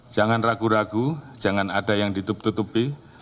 jangan ragu ragu jangan ada yang ditutupi